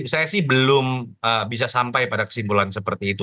saya sih belum bisa sampai pada kesimpulan seperti itu